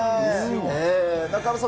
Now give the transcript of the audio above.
中山さん